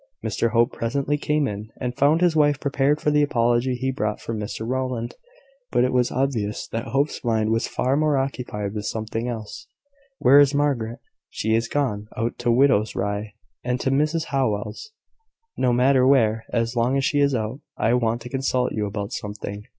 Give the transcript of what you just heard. Mr Hope presently came in, and found his wife prepared for the apology he brought from Mr Rowland. But it was obvious that Hope's mind was far more occupied with something else. "Where is Margaret?" "She is gone out to Widow Rye's, and to Mrs Howell's." "No matter where, as long as she is out. I want to consult you about something."